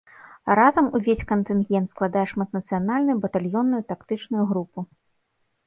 Разам увесь кантынгент складае шматнацыянальную батальённую тактычную групу.